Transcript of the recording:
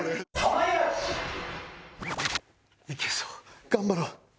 いけるぞ頑張ろう！